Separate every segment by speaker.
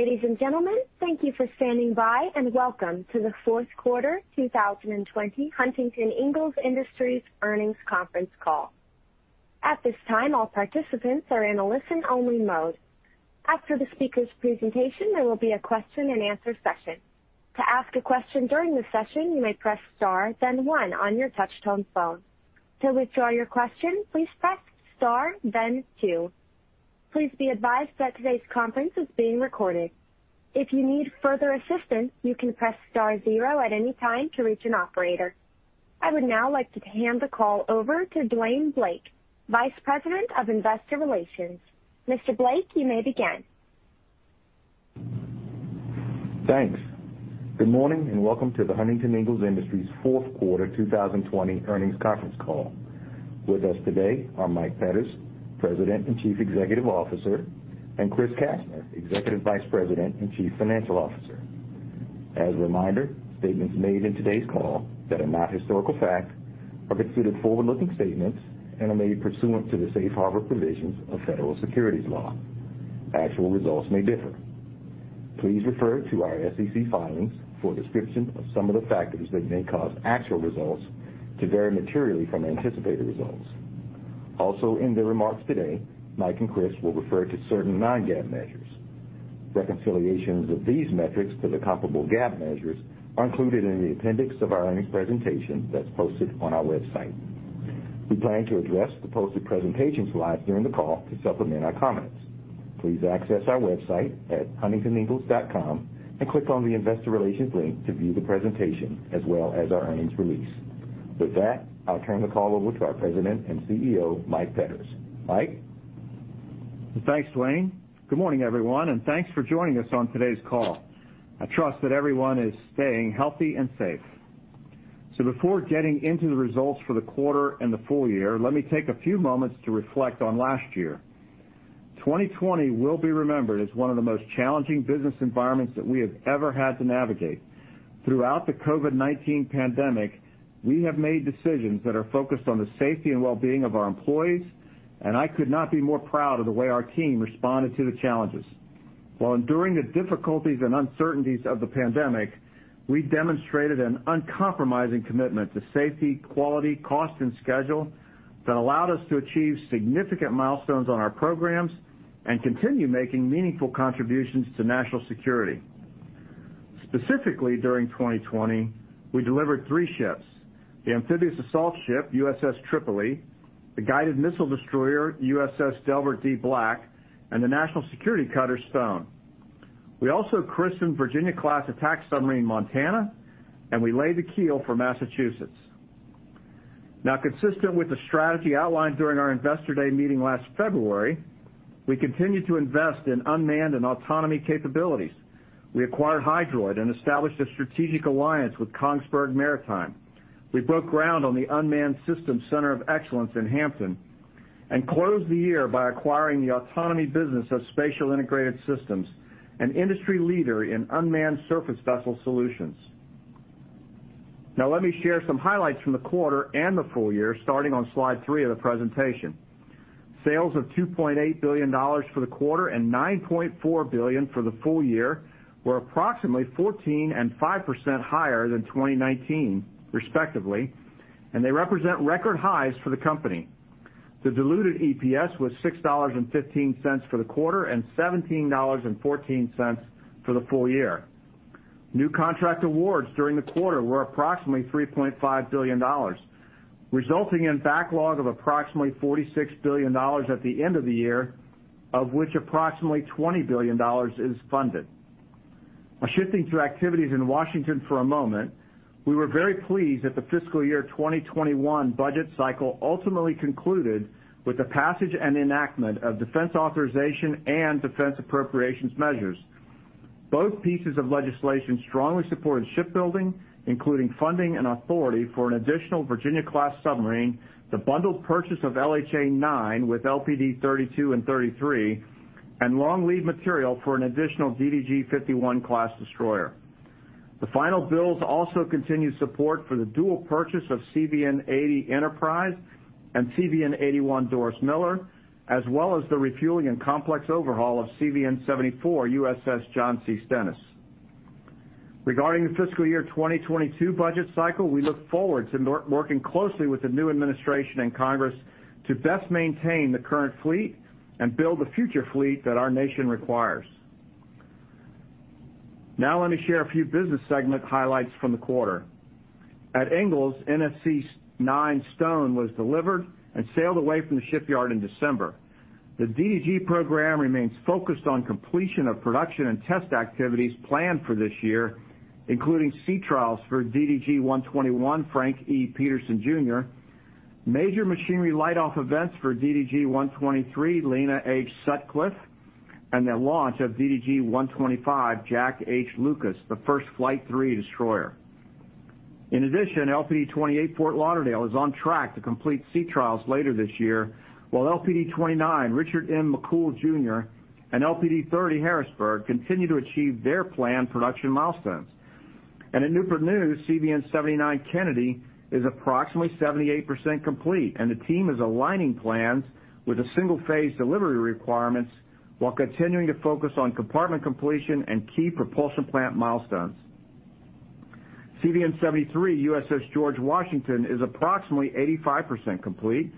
Speaker 1: Ladies and gentlemen, thank you for standing by and welcome to the Q4 2020 Huntington Ingalls Industries Earnings Conference Call. At this time, all participants are in a listen-only mode. After the speaker's presentation, there will be a question-and-answer session. To ask a question during the session, you may press star, then one on your touch-tone phone. To withdraw your question, please press star, then two. Please be advised that today's conference is being recorded. If you need further assistance, you can press star zero at any time to reach an operator. I would now like to hand the call over to Dwayne Blake, Vice President of Investor Relations. Mr. Blake, you may begin.
Speaker 2: Thanks. Good morning and welcome to the Huntington Ingalls Industries Q4 2020 Earnings Conference Call. With us today are Mike Petters, President and Chief Executive Officer, and Chris Kastner, Executive Vice President and Chief Financial Officer. As a reminder, statements made in today's call that are not historical fact are considered forward-looking statements and are made pursuant to the safe harbor provisions of federal securities law. Actual results may differ. Please refer to our SEC filings for a description of some of the factors that may cause actual results to vary materially from anticipated results. Also, in their remarks today, Mike and Chris will refer to certain non-GAAP measures. Reconciliations of these metrics to the comparable GAAP measures are included in the appendix of our earnings presentation that's posted on our website. We plan to address the posted presentation slides during the call to supplement our comments. Please access our website at huntingtoningalls.com and click on the investor relations link to view the presentation as well as our earnings release. With that, I'll turn the call over to our President and CEO, Mike Petters. Mike.
Speaker 3: Thanks, Dwayne. Good morning, everyone, and thanks for joining us on today's call. I trust that everyone is staying healthy and safe. So before getting into the results for the quarter and the full year, let me take a few moments to reflect on last year. 2020 will be remembered as one of the most challenging business environments that we have ever had to navigate. Throughout the COVID-19 pandemic, we have made decisions that are focused on the safety and well-being of our employees, and I could not be more proud of the way our team responded to the challenges. While enduring the difficulties and uncertainties of the pandemic, we demonstrated an uncompromising commitment to safety, quality, cost, and schedule that allowed us to achieve significant milestones on our programs and continue making meaningful contributions to national security. Specifically, during 2020, we delivered three ships: the amphibious assault ship, USS Tripoli, the guided missile destroyer, USS Delbert D. Black, and the national security cutter, Stone. We also christened Virginia-class attack submarine, Montana, and we laid the keel for Massachusetts. Now, consistent with the strategy outlined during our investor day meeting last February, we continue to invest in unmanned and autonomy capabilities. We acquired Hydroid and established a strategic alliance with Kongsberg Maritime. We broke ground on the Unmanned Systems Center of Excellence in Hampton and closed the year by acquiring the autonomy business of Spatial Integrated Systems, an industry leader in unmanned surface vessel solutions. Now, let me share some highlights from the quarter and the full year, starting on slide three of the presentation. Sales of $2.8 billion for the quarter and $9.4 billion for the full year were approximately 14% and 5% higher than 2019, respectively, and they represent record highs for the company. The diluted EPS was $6.15 for the quarter and $17.14 for the full year. New contract awards during the quarter were approximately $3.5 billion, resulting in backlog of approximately $46 billion at the end of the year, of which approximately $20 billion is funded. Now, shifting to activities in Washington for a moment, we were very pleased that the fiscal year 2021 budget cycle ultimately concluded with the passage and enactment of defense authorization and defense appropriations measures. Both pieces of legislation strongly supported shipbuilding, including funding and authority for an additional Virginia-class submarine, the bundled purchase of LHA-9 with LPD-32 and 33, and long lead material for an additional DDG-51 class destroyer. The final bills also continue support for the dual purchase of CVN-80 Enterprise and CVN-81 Doris Miller, as well as the refueling and complex overhaul of CVN-74 USS John C. Stennis. Regarding the fiscal year 2022 budget cycle, we look forward to working closely with the new administration and Congress to best maintain the current fleet and build the future fleet that our nation requires. Now, let me share a few business segment highlights from the quarter. At Ingalls, NSC-9 Stone was delivered and sailed away from the shipyard in December. The DDG program remains focused on completion of production and test activities planned for this year, including sea trials for DDG-121 Frank E. Peterson Jr., major machinery layoff events for DDG-123 Lenah Sutcliffe Higbee, and the launch of DDG-125 Jack H. Lucas, the first Flight III destroyer. In addition, LPD-28 USS Fort Lauderdale is on track to complete sea trials later this year, while LPD-29 USS Richard M. McCool Jr. and LPD-30 USS Harrisburg continue to achieve their planned production milestones. In Newport News, CVN-79 USS John F. Kennedy is approximately 78% complete, and the team is aligning plans with the single-phase delivery requirements while continuing to focus on compartment completion and key propulsion plant milestones. CVN-73 USS George Washington is approximately 85% complete,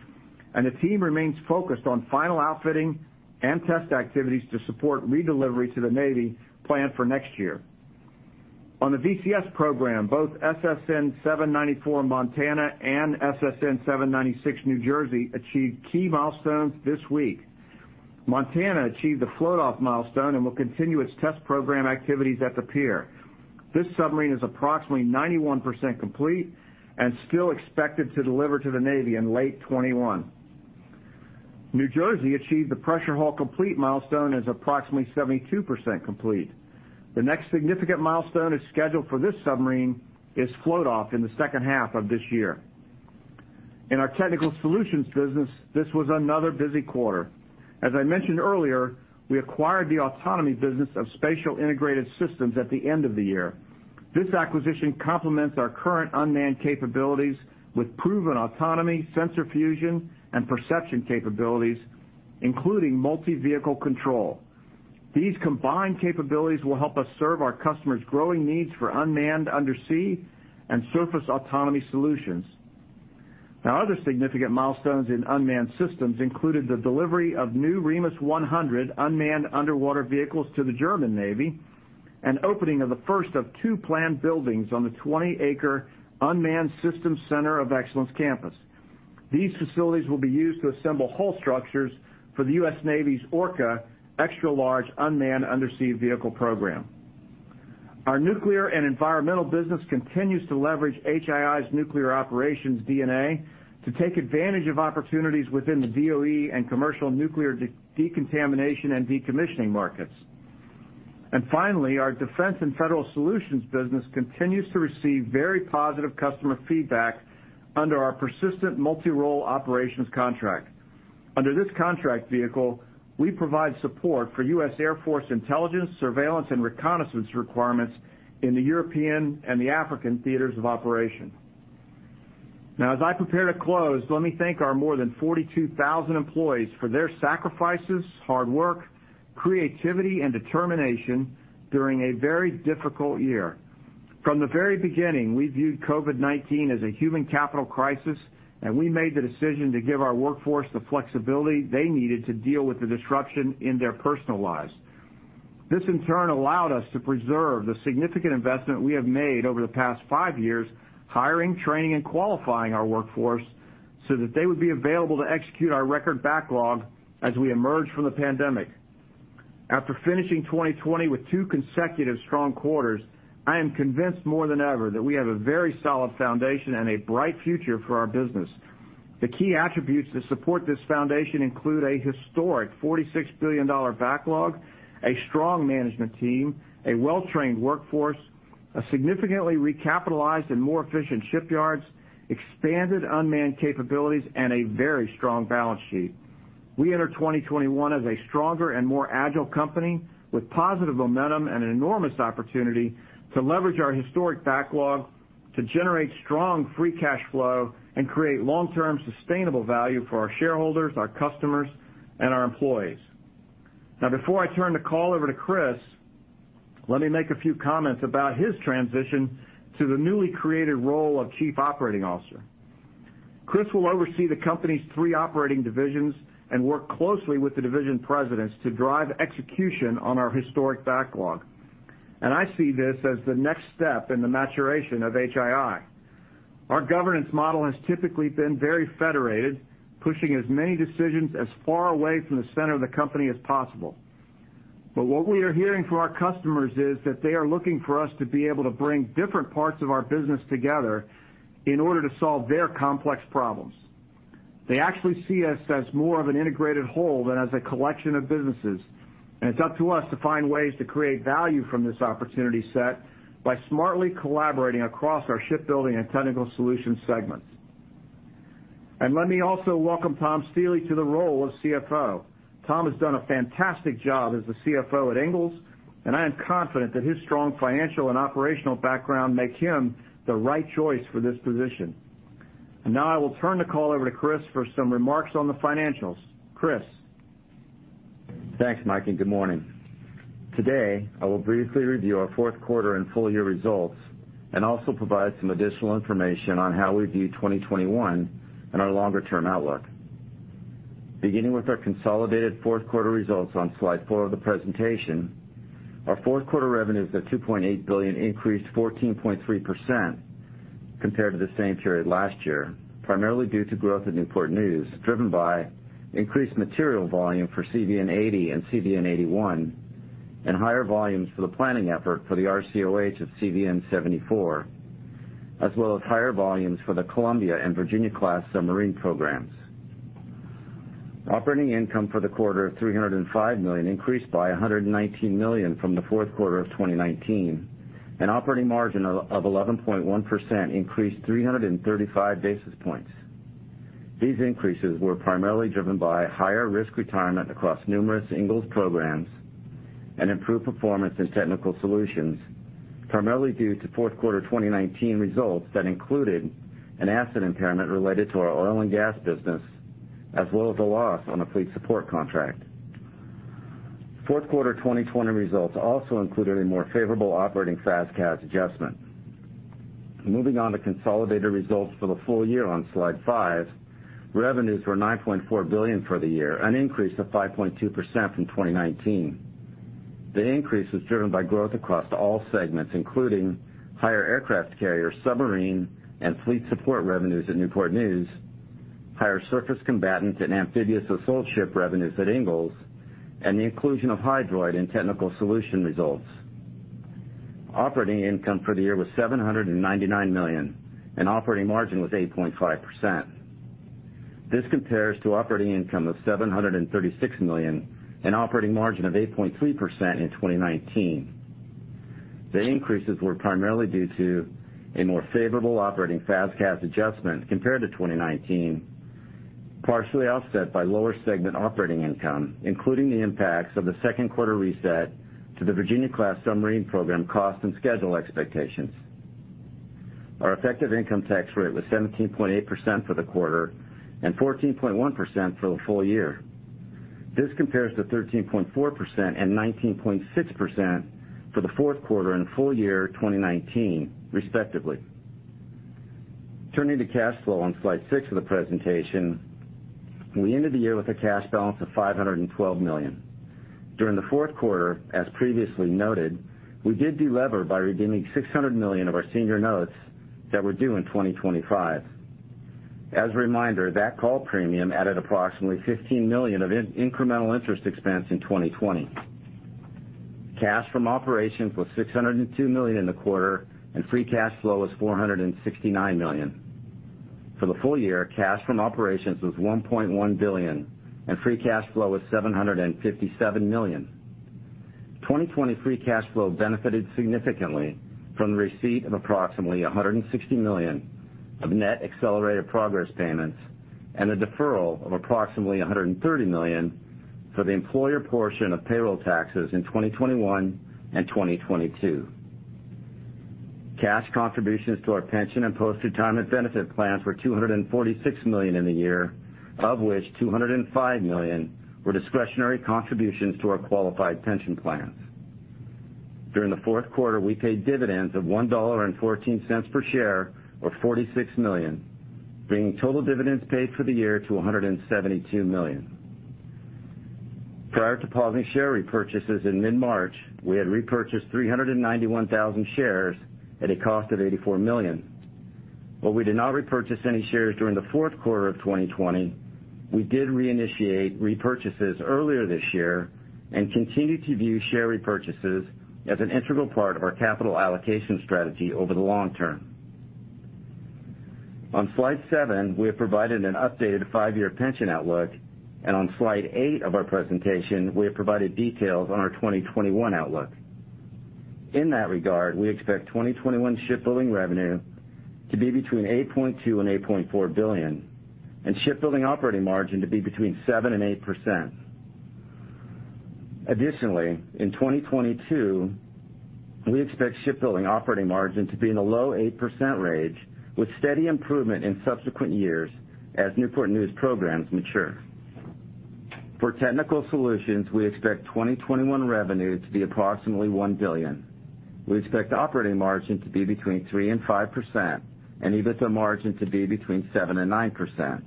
Speaker 3: and the team remains focused on final outfitting and test activities to support redelivery to the Navy planned for next year. On the VCS program, both SSN-794 USS Montana and SSN-796 USS New Jersey achieved key milestones this week. Montana achieved the float-off milestone and will continue its test program activities at the pier. This submarine is approximately 91% complete and still expected to deliver to the Navy in late 2021. New Jersey achieved the pressure hull complete milestone and is approximately 72% complete. The next significant milestone scheduled for this submarine is float-off in the second half of this year. In our Technical Solutions business, this was another busy quarter. As I mentioned earlier, we acquired the autonomy business of Spatial Integrated Systems at the end of the year. This acquisition complements our current unmanned capabilities with proven autonomy, sensor fusion, and perception capabilities, including multi-vehicle control. These combined capabilities will help us serve our customers' growing needs for unmanned undersea and surface autonomy solutions. Now, other significant milestones in unmanned systems included the delivery of new REMUS 100 unmanned underwater vehicles to the German Navy and opening of the first of two planned buildings on the 20-acre unmanned system center of excellence campus. These facilities will be used to assemble hull structures for the US Navy's Orca extra-large unmanned undersea vehicle program. Our nuclear and environmental business continues to leverage HII's nuclear operations DNA to take advantage of opportunities within the DOE and commercial nuclear decontamination and decommissioning markets. And finally, our defense and federal solutions business continues to receive very positive customer feedback under our persistent multi-role operations contract. Under this contract vehicle, we provide support for US Air Force intelligence, surveillance, and reconnaissance requirements in the European and the African theaters of operation. Now, as I prepare to close, let me thank our more than 42,000 employees for their sacrifices, hard work, creativity, and determination during a very difficult year. From the very beginning, we viewed COVID-19 as a human capital crisis, and we made the decision to give our workforce the flexibility they needed to deal with the disruption in their personal lives. This, in turn, allowed us to preserve the significant investment we have made over the past five years, hiring, training, and qualifying our workforce so that they would be available to execute our record backlog as we emerge from the pandemic. After finishing 2020 with two consecutive strong quarters, I am convinced more than ever that we have a very solid foundation and a bright future for our business. The key attributes that support this foundation include a historic $46 billion backlog, a strong management team, a well-trained workforce, significantly recapitalized and more efficient shipyards, expanded unmanned capabilities, and a very strong balance sheet. We enter 2021 as a stronger and more agile company with positive momentum and an enormous opportunity to leverage our historic backlog to generate strong free cash flow and create long-term sustainable value for our shareholders, our customers, and our employees. Now, before I turn the call over to Chris, let me make a few comments about his transition to the newly created role of Chief Operating Officer. Chris will oversee the company's three operating divisions and work closely with the division presidents to drive execution on our historic backlog. And I see this as the next step in the maturation of HII. Our governance model has typically been very federated, pushing as many decisions as far away from the center of the company as possible. But what we are hearing from our customers is that they are looking for us to be able to bring different parts of our business together in order to solve their complex problems. They actually see us as more of an integrated whole than as a collection of businesses, and it's up to us to find ways to create value from this opportunity set by smartly collaborating across our shipbuilding and Technical Solutions segments. And let me also welcome Tom Stiehle to the role of CFO. Tom has done a fantastic job as the CFO at Ingalls, and I am confident that his strong financial and operational background makes him the right choice for this position. And now I will turn the call over to Chris for some remarks on the financials. Chris.
Speaker 4: Thanks, Mike, and good morning. Today, I will briefly review our Q4 and full year results and also provide some additional information on how we view 2021 and our longer-term outlook. Beginning with our consolidated fourth quarter results on slide four of the presentation, our fourth quarter revenues are $2.8 billion, increased 14.3% compared to the same period last year, primarily due to growth at Newport News, driven by increased material volume for CVN-80 and CVN-81 and higher volumes for the planning effort for the RCOH of CVN-74, as well as higher volumes for the Columbia and Virginia-class submarine programs. Operating income for the quarter of $305 million increased by $119 million from the Q4 of 2019, and operating margin of 11.1% increased 335 basis points. These increases were primarily driven by higher risk retirement across numerous Ingalls programs and improved performance in Technical Solutions, primarily due to Q4 2019 results that included an asset impairment related to our oil and gas business, as well as a loss on a fleet support contract. Q4 2020 results also included a more favorable operating FASTCAS adjustment. Moving on to consolidated results for the full year on slide five, revenues were $9.4 billion for the year, an increase of 5.2% from 2019. The increase was driven by growth across all segments, including higher aircraft carrier, submarine, and fleet support revenues at Newport News, higher surface combatant and amphibious assault ship revenues at Ingalls, and the inclusion of Hydroid in technical solution results. Operating income for the year was $799 million, and operating margin was 8.5%. This compares to operating income of $736 million and operating margin of 8.3% in 2019. The increases were primarily due to a more favorable operating FASTCAS adjustment compared to 2019, partially offset by lower segment operating income, including the impacts of the second quarter reset to the Virginia-class submarine program cost and schedule expectations. Our effective income tax rate was 17.8% for the quarter and 14.1% for the full year. This compares to 13.4% and 19.6% for the Q4 and full year 2019, respectively. Turning to cash flow on slide six of the presentation, we ended the year with a cash balance of $512 million. During the Q4, as previously noted, we did delever by redeeming $600 million of our senior notes that were due in 2025. As a reminder, that call premium added approximately $15 million of incremental interest expense in 2020. Cash from operations was $602 million in the quarter, and free cash flow was $469 million. For the full year, cash from operations was $1.1 billion, and free cash flow was $757 million. 2020 free cash flow benefited significantly from the receipt of approximately $160 million of net accelerated progress payments and the deferral of approximately $130 million for the employer portion of payroll taxes in 2021 and 2022. Cash contributions to our pension and post-retirement benefit plans were $246 million in the year, of which $205 million were discretionary contributions to our qualified pension plans. During the Q4, we paid dividends of $1.14 per share, or $46 million, bringing total dividends paid for the year to $172 million. Prior to pausing share repurchases in mid-March, we had repurchased 391,000 shares at a cost of $84 million. While we did not repurchase any shares during the fourth quarter of 2020, we did reinitiate repurchases earlier this year and continue to view share repurchases as an integral part of our capital allocation strategy over the long term. On slide seven, we have provided an updated five-year pension outlook, and on slide eight of our presentation, we have provided details on our 2021 outlook. In that regard, we expect 2021 shipbuilding revenue to be between $8.2-$8.4 billion, and shipbuilding operating margin to be between 7%-8%. Additionally, in 2022, we expect shipbuilding operating margin to be in the low 8% range, with steady improvement in subsequent years as Newport News programs mature. For Technical Solutions, we expect 2021 revenue to be approximately $1 billion. We expect operating margin to be between 3%-5%, and EBITDA margin to be between 7%-9%,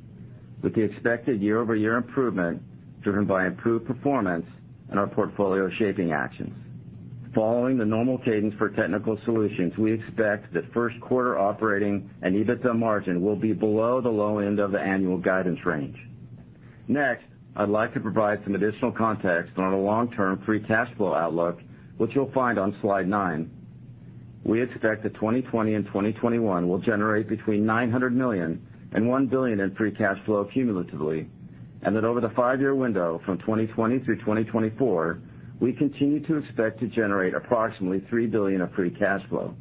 Speaker 4: with the expected year-over-year improvement driven by improved performance and our portfolio shaping actions. Following the normal cadence for Technical Solutions, we expect that first quarter operating and EBITDA margin will be below the low end of the annual guidance range. Next, I'd like to provide some additional context on our long-term free cash flow outlook, which you'll find on slide nine. We expect that 2020 and 2021 will generate between $900 million-$1 billion in free cash flow cumulatively, and that over the five-year window from 2020 through 2024, we continue to expect to generate approximately $3 billion of free cash flow.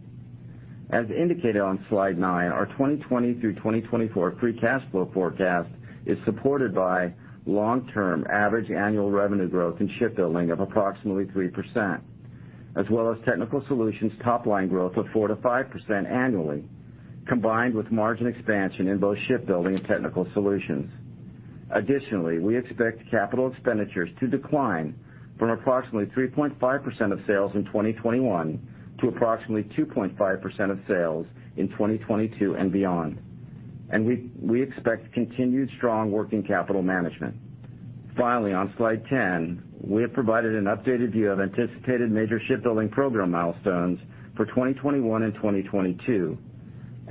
Speaker 4: As indicated on slide nine, our 2020 through 2024 free cash flow forecast is supported by long-term average annual revenue growth in shipbuilding of approximately 3%, as well as Technical Solutions top-line growth of 4%-5% annually, combined with margin expansion in both shipbuilding and Technical Solutions. Additionally, we expect capital expenditures to decline from approximately 3.5% of sales in 2021 to approximately 2.5% of sales in 2022 and beyond, and we expect continued strong working capital management. Finally, on slide 10, we have provided an updated view of anticipated major shipbuilding program milestones for 2021 and 2022.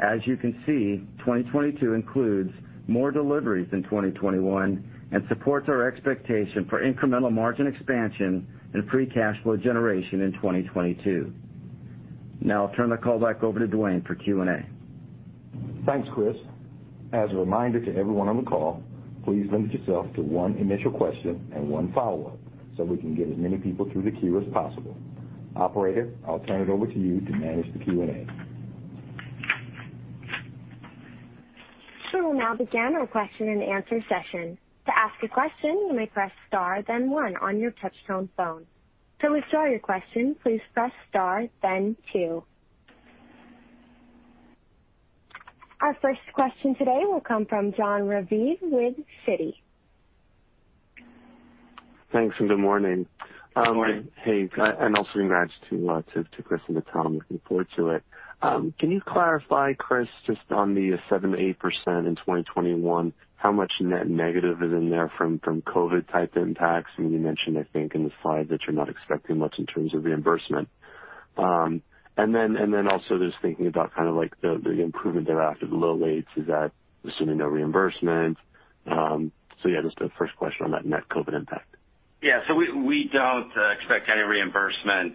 Speaker 4: As you can see, 2022 includes more deliveries than 2021 and supports our expectation for incremental margin expansion and free cash flow generation in 2022. Now I'll turn the call back over to Dwayne for Q&A.
Speaker 2: Thanks, Chris. As a reminder to everyone on the call, please limit yourself to one initial question and one follow-up so we can get as many people through the queue as possible. Operator, I'll turn it over to you to manage the Q&A.
Speaker 1: So we'll now begin our question-and-answer session. To ask a question, you may press star, then one on your touch-tone phone. To withdraw your question, please press star, then two. Our first question today will come from Jon Raviv with Citi.
Speaker 5: Thanks and good morning.
Speaker 1: Good morning.
Speaker 5: Hey, and also congrats to Chris and to Tom. Looking forward to it. Can you clarify, Chris, just on the 7%-8% in 2021, how much net negative is in there from COVID-type impacts? And you mentioned, I think, in the slide that you're not expecting much in terms of reimbursement. And then also just thinking about kind of like the improvement thereafter, the low teens, is that assuming no reimbursement? So yeah, just the first question on that net COVID impact.
Speaker 4: Yeah, so we don't expect any reimbursement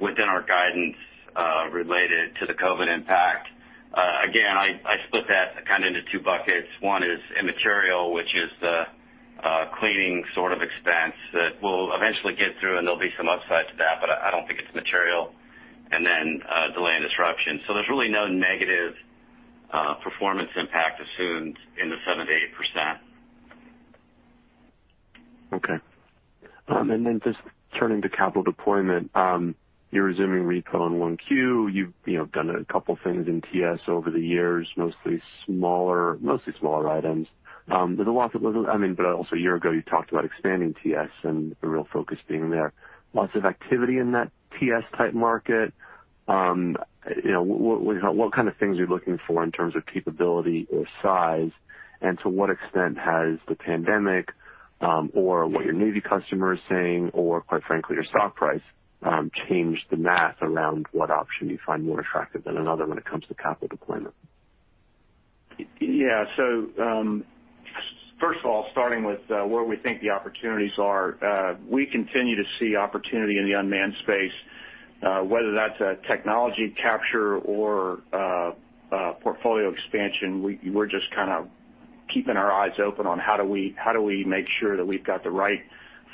Speaker 4: within our guidance related to the COVID impact. Again, I split that kind of into two buckets. One is immaterial, which is the cleaning sort of expense that we'll eventually get through, and there'll be some upside to that, but I don't think it's material, and then delay and disruption. So there's really no negative performance impact assumed in the 7%-8%.
Speaker 5: Okay. And then just turning to capital deployment, you're resuming repo in 1Q. You've done a couple of things in TS over the years, mostly smaller items. There's a lot that was, I mean, but also a year ago you talked about expanding TS and the real focus being there. Lots of activity in that TS-type market. What kind of things are you looking for in terms of capability or size, and to what extent has the pandemic or what your Navy customer is saying, or quite frankly, your stock price changed the math around what option you find more attractive than another when it comes to capital deployment?
Speaker 3: Yeah, so first of all, starting with where we think the opportunities are, we continue to see opportunity in the unmanned space. Whether that's a technology capture or portfolio expansion, we're just kind of keeping our eyes open on how do we make sure that we've got the right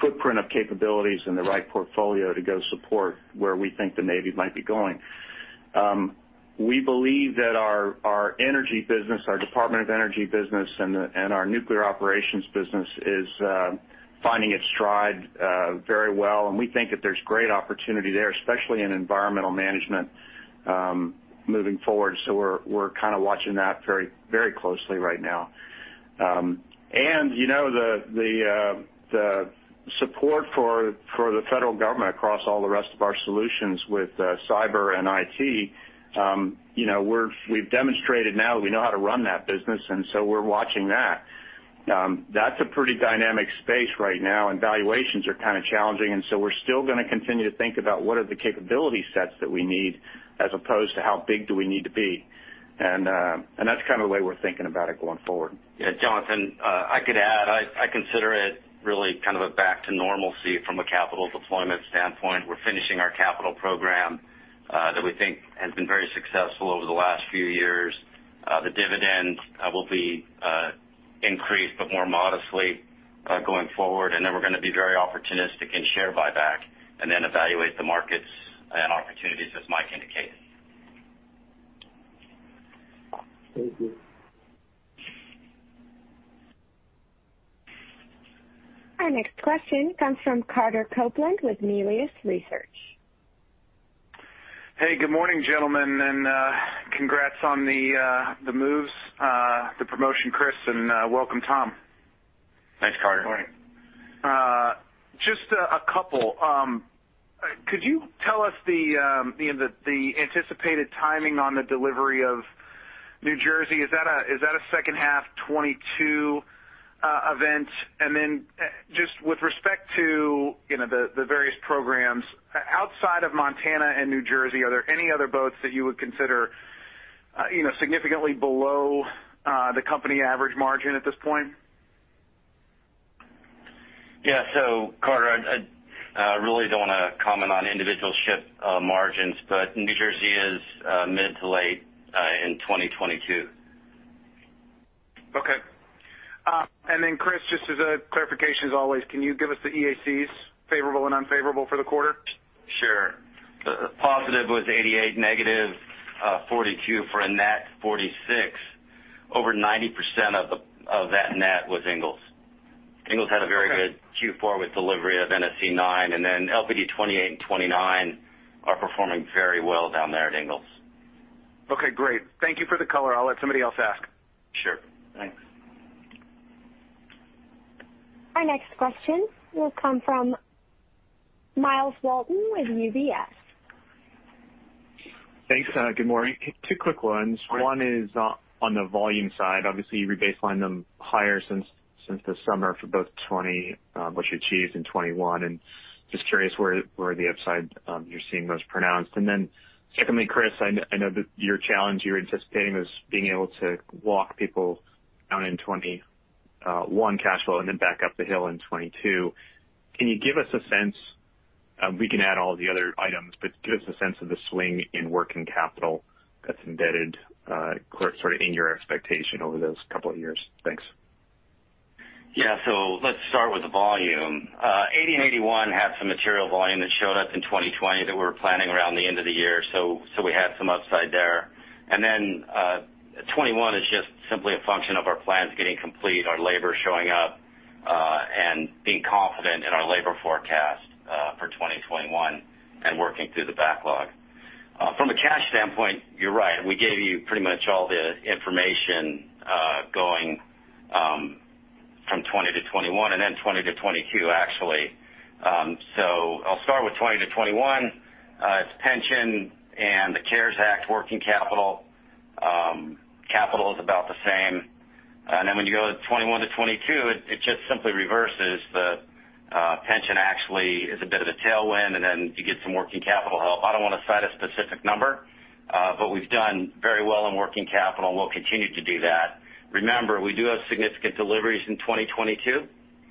Speaker 3: footprint of capabilities and the right portfolio to go support where we think the Navy might be going. We believe that our energy business, our Department of Energy business, and our nuclear operations business is finding its stride very well, and we think that there's great opportunity there, especially in environmental management moving forward. So we're kind of watching that very closely right now. And the support for the federal government across all the rest of our solutions with cyber and IT, we've demonstrated now that we know how to run that business, and so we're watching that. That's a pretty dynamic space right now, and valuations are kind of challenging, and so we're still going to continue to think about what are the capability sets that we need as opposed to how big do we need to be. And that's kind of the way we're thinking about it going forward.
Speaker 4: Yeah, Jonathan, I could add. I consider it really kind of a back to normalcy from a capital deployment standpoint. We're finishing our capital program that we think has been very successful over the last few years. The dividend will be increased, but more modestly going forward, and then we're going to be very opportunistic in share buyback and then evaluate the markets and opportunities, as Mike indicated.
Speaker 5: Thank you.
Speaker 1: Our next question comes from Carter Copeland with Melius Research.
Speaker 6: Hey, good morning, gentlemen, and congrats on the moves, the promotion, Chris, and welcome, Tom.
Speaker 4: Thanks, Carter.
Speaker 3: Good morning.
Speaker 6: Just a couple. Could you tell us the anticipated timing on the delivery of New Jersey? Is that a second-half 2022 event? And then just with respect to the various programs, outside of Montana and New Jersey, are there any other boats that you would consider significantly below the company average margin at this point?
Speaker 4: Yeah, so Carter, I really don't want to comment on individual ship margins, but New Jersey is mid to late in 2022.
Speaker 6: Okay. And then, Chris, just as a clarification, as always, can you give us the EACs, favorable and unfavorable, for the quarter?
Speaker 4: Sure. Positive was 88, negative 42 for a net, 46. Over 90% of that net was Ingalls. Ingalls had a very good Q4 with delivery of NSC9, and then LPD 28 and 29 are performing very well down there at Ingalls.
Speaker 6: Okay, great. Thank you for the color. I'll let somebody else ask.
Speaker 4: Sure. Thanks.
Speaker 1: Our next question will come from Myles Walton with UBS.
Speaker 7: Thanks, good morning. Two quick ones. One is on the volume side. Obviously, we baseline them higher since the summer for both 2020, which achieved in 2021, and just curious where the upside you're seeing most pronounced. And then secondly, Chris, I know that your challenge you were anticipating was being able to walk people down in 2021 cash flow and then back up the hill in 2022. Can you give us a sense? We can add all the other items, but give us a sense of the swing in working capital that's embedded sort of in your expectation over those couple of years. Thanks.
Speaker 4: Yeah, so let's start with the volume. '80 and '81 had some material volume that showed up in 2020 that we were planning around the end of the year, so we had some upside there. And then 2021 is just simply a function of our plans getting complete, our labor showing up, and being confident in our labor forecast for 2021 and working through the backlog. From a cash standpoint, you're right. We gave you pretty much all the information going from 2020 to 2021 and then 2020 to 2022, actually. So I'll start with 2020 to 2021. It's pension and the CARES Act working capital. Capital is about the same. And then when you go to 2021 to 2022, it just simply reverses. The pension actually is a bit of a tailwind, and then you get some working capital help. I don't want to cite a specific number, but we've done very well in working capital and we'll continue to do that. Remember, we do have significant deliveries in 2022.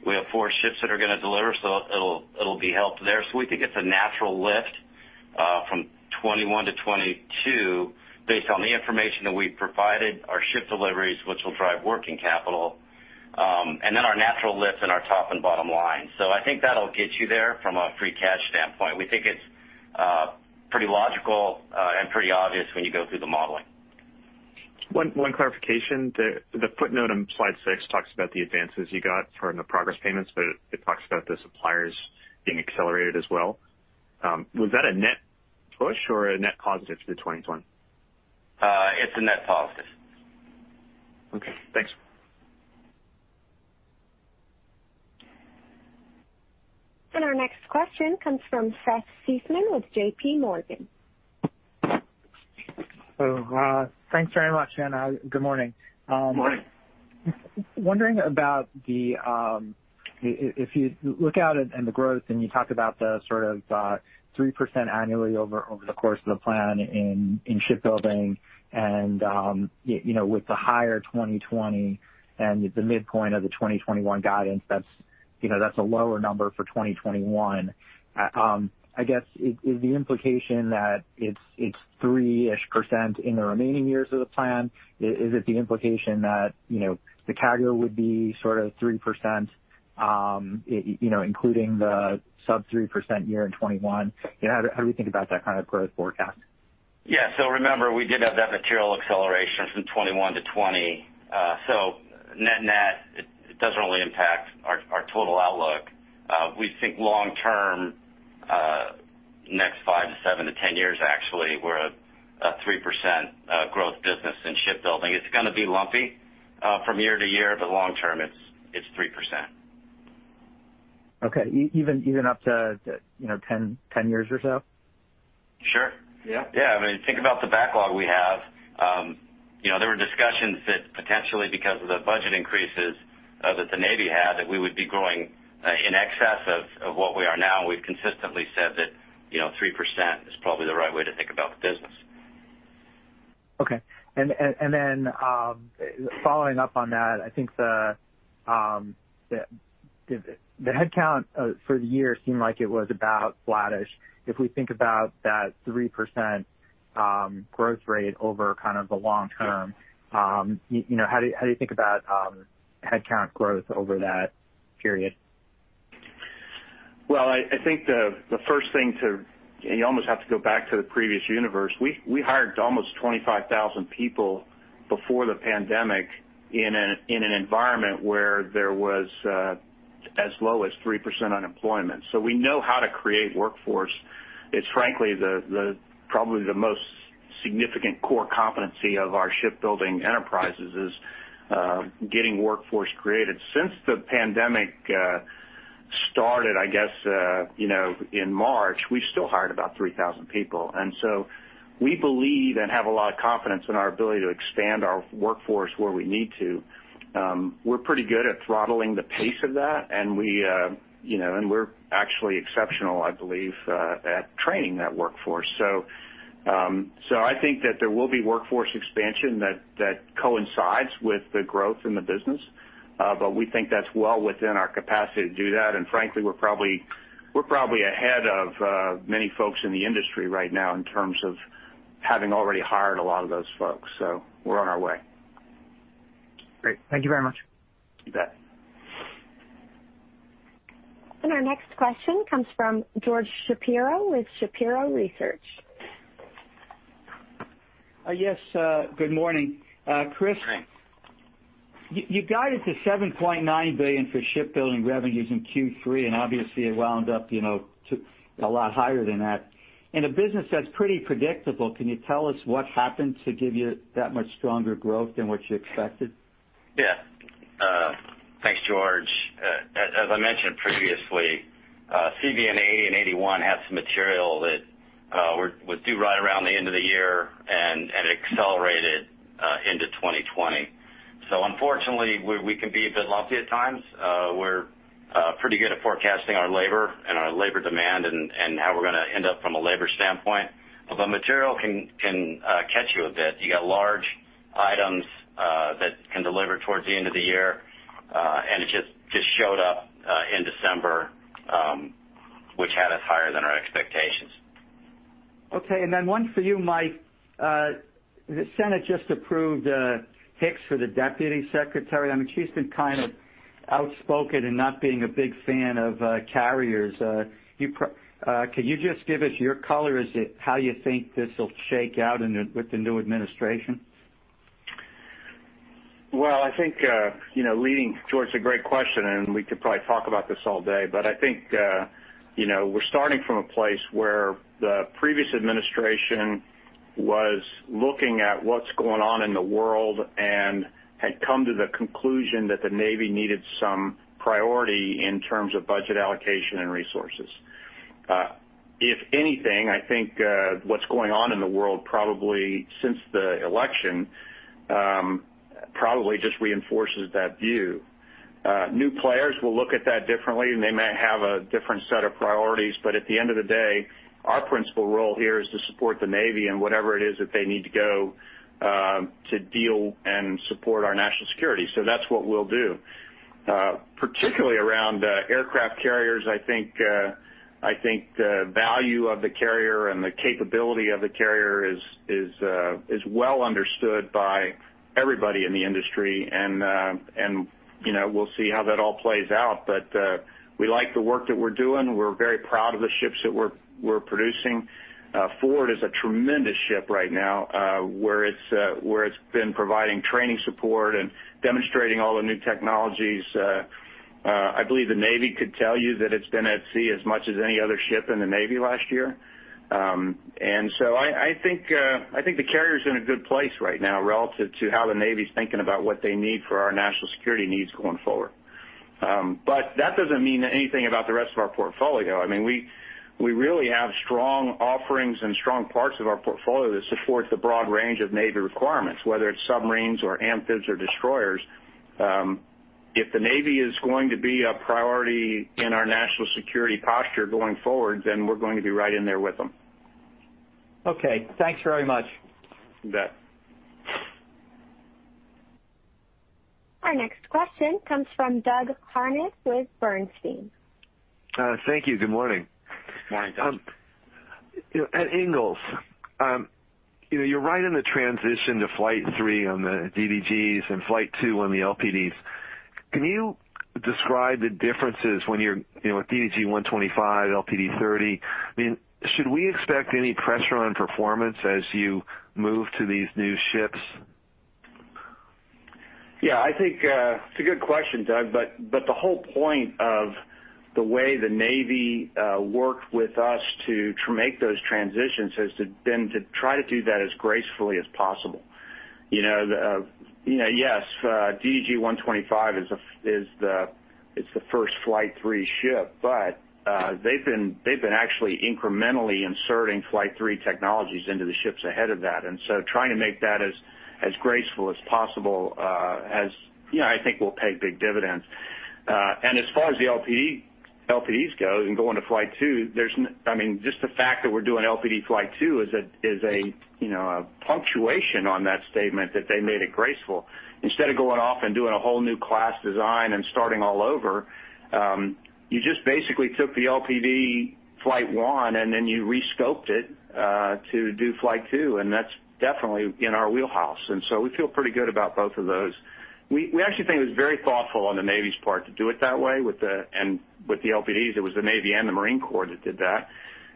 Speaker 4: We have four ships that are going to deliver, so it'll be helped there. So we think it's a natural lift from 2021 to 2022 based on the information that we provided, our ship deliveries, which will drive working capital, and then our natural lift in our top and bottom line. So I think that'll get you there from a free cash standpoint. We think it's pretty logical and pretty obvious when you go through the modeling.
Speaker 7: One clarification. The footnote on slide six talks about the advances you got from the progress payments, but it talks about the suppliers being accelerated as well. Was that a net push or a net positive to the 2020's one?
Speaker 4: It's a net positive.
Speaker 7: Okay, thanks.
Speaker 1: Our next question comes from Seth Seifman with JPMorgan.
Speaker 8: Thanks very much, and Good morning.
Speaker 4: Good morning.
Speaker 8: Wondering about, if you look at it and the growth, and you talked about the sort of 3% annually over the course of the plan in shipbuilding, and with the higher 2020 and the midpoint of the 2021 guidance, that's a lower number for 2021. I guess, is the implication that it's 3-ish% in the remaining years of the plan? Is it the implication that the CAGR would be sort of 3%, including the sub-3% year in 2021? How do we think about that kind of growth forecast?
Speaker 4: Yeah, so remember, we did have that material acceleration from 2021 to 2020. So net net, it doesn't really impact our total outlook. We think long-term, next 5 to 7 to 10 years, actually, we're a 3% growth business in shipbuilding. It's going to be lumpy from year to year, but long-term, it's 3%.
Speaker 8: Okay, even up to 10 years or so?
Speaker 4: Sure. Yeah, I mean, think about the backlog we have. There were discussions that potentially, because of the budget increases that the Navy had, that we would be growing in excess of what we are now. We've consistently said that 3% is probably the right way to think about the business.
Speaker 8: Okay. And then following up on that, I think the headcount for the year seemed like it was about flattish. If we think about that 3% growth rate over kind of the long term, how do you think about headcount growth over that period?
Speaker 3: I think the first thing is you almost have to go back to the previous universe. We hired almost 25,000 people before the pandemic in an environment where there was as low as 3% unemployment. So we know how to create workforce. It's frankly probably the most significant core competency of our shipbuilding enterprises is getting workforce created. Since the pandemic started, I guess, in March, we've still hired about 3,000 people. And so we believe and have a lot of confidence in our ability to expand our workforce where we need to. We're pretty good at throttling the pace of that, and we're actually exceptional, I believe, at training that workforce. So I think that there will be workforce expansion that coincides with the growth in the business, but we think that's well within our capacity to do that. Frankly, we're probably ahead of many folks in the industry right now in terms of having already hired a lot of those folks. We're on our way.
Speaker 8: Great. Thank you very much.
Speaker 3: You bet.
Speaker 1: Our next question comes from George Shapiro with Shapiro Research.
Speaker 9: Yes, good morning. Chris.
Speaker 4: Morning.
Speaker 9: You guided to $7.9 billion for shipbuilding revenues in Q3, and obviously, it wound up a lot higher than that. In a business that's pretty predictable, can you tell us what happened to give you that much stronger growth than what you expected?
Speaker 4: Yeah. Thanks, George. As I mentioned previously, CVN-80 and '81 had some material that would do right around the end of the year and accelerate it into 2020. So unfortunately, we can be a bit lumpy at times. We're pretty good at forecasting our labor and our labor demand and how we're going to end up from a labor standpoint. But material can catch you a bit. You got large items that can deliver towards the end of the year, and it just showed up in December, which had us higher than our expectations.
Speaker 9: Okay, and then one for you, Mike. The Senate just approved Hicks for the Deputy Secretary. I mean, she's been kind of outspoken and not being a big fan of carriers. Can you just give us your color as to how you think this will shake out with the new administration?
Speaker 3: I think leading towards a great question, and we could probably talk about this all day, but I think we're starting from a place where the previous administration was looking at what's going on in the world and had come to the conclusion that the Navy needed some priority in terms of budget allocation and resources. If anything, I think what's going on in the world since the election probably just reinforces that view. New players will look at that differently, and they may have a different set of priorities, but at the end of the day, our principal role here is to support the Navy in whatever it is that they need to go to deal and support our national security. That's what we'll do. Particularly around aircraft carriers, I think the value of the carrier and the capability of the carrier is well understood by everybody in the industry, and we'll see how that all plays out. But we like the work that we're doing. We're very proud of the ships that we're producing. Ford is a tremendous ship right now where it's been providing training support and demonstrating all the new technologies. I believe the Navy could tell you that it's been at sea as much as any other ship in the Navy last year. And so I think the carrier's in a good place right now relative to how the Navy's thinking about what they need for our national security needs going forward. But that doesn't mean anything about the rest of our portfolio. I mean, we really have strong offerings and strong parts of our portfolio that support the broad range of Navy requirements, whether it's submarines or amphibs or destroyers. If the Navy is going to be a priority in our national security posture going forward, then we're going to be right in there with them.
Speaker 9: Okay, thanks very much.
Speaker 3: You bet.
Speaker 1: Our next question comes from Doug Harned with Bernstein.
Speaker 10: Thank you. Good morning.
Speaker 4: Good morning, Doug.
Speaker 10: At Ingalls, you're right in the transition to flight three on the DDGs and flight two on the LPDs. Can you describe the differences when you're with DDG-125, LPD-30? I mean, should we expect any pressure on performance as you move to these new ships?
Speaker 4: Yeah, I think it's a good question, Doug, but the whole point of the way the Navy worked with us to make those transitions has been to try to do that as gracefully as possible. Yes, DDG-125 is the first flight three ship, but they've been actually incrementally inserting flight three technologies into the ships ahead of that. And so trying to make that as graceful as possible has, I think, will pay big dividends. And as far as the LPDs go into flight two, I mean, just the fact that we're doing LPD flight two is a punctuation on that statement that they made it graceful. Instead of going off and doing a whole new class design and starting all over, you just basically took the LPD flight one and then you rescoped it to do flight two, and that's definitely in our wheelhouse. And so we feel pretty good about both of those. We actually think it was very thoughtful on the Navy's part to do it that way with the LPDs. It was the Navy and the Marine Corps that did that.